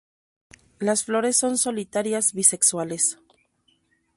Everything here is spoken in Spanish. Las flores son solitarias, bisexuales.